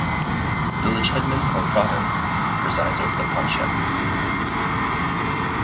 The village headman or pradhan presides over the panchayat.